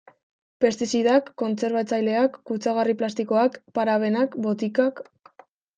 Pestizidak, kontserbatzaileak, kutsagarri plastikoak, parabenak, botikak...